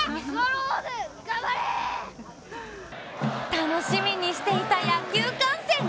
楽しみにしていた野球観戦。